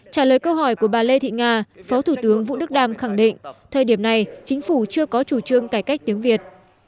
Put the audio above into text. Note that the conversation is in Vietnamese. trả lời câu hỏi của bà lê thị nga phó thủ tướng vũ đức đam khẳng định thời điểm này chính phủ chưa có chủ trương cải cách tiếng việt